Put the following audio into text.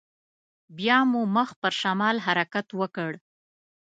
بيا مو مخ پر شمال حرکت وکړ.